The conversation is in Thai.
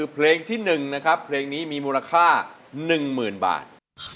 เพลงที่๑นะครับเพลงนี้มีมูลค่า๑๐๐๐บาท